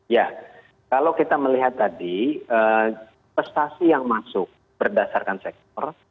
ya kalau kita melihat tadi prestasi yang masuk berdasarkan sektor